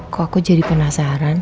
kok aku jadi penasaran